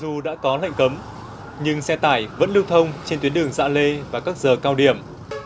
dù đã có lệnh cấm nhưng xe tải vẫn lưu thông trên tuyến đường dạ lê vào các giờ cao điểm